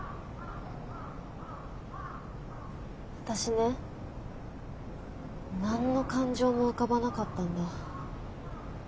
私ね何の感情も浮かばなかったんだ。